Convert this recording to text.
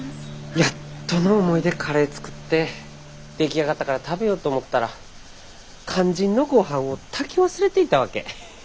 やっとの思いでカレー作って出来上がったから食べようと思ったら肝心のごはんを炊き忘れていたわけ。